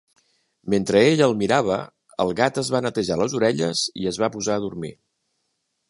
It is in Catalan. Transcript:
Mentre ella el mirava, el gat es va netejar les orelles i es va posar a dormir.